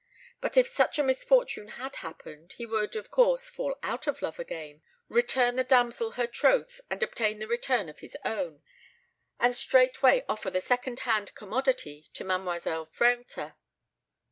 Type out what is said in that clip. But if such a misfortune had happened, he would, of course, fall out of love again, return the damsel her troth and obtain the return of his own, and straightway offer the second hand commodity to Mademoiselle Frehlter.